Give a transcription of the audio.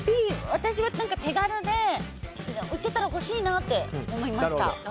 私は手軽で売ってたら欲しいなって思いました。